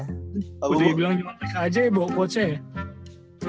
udah dibilang juga teks aja ya quotesnya ya